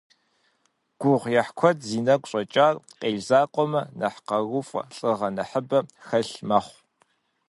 Гугъуехь куэд зи нэгу щӀэкӀар, къел закъуэмэ, нэхъ къарууфӀэ, лӀыгъэ нэхъыбэ хэлъ мэхъу.